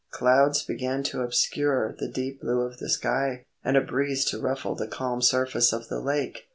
Clouds began to obscure the deep blue of the sky, and a breeze to ruffle the calm surface of the lake.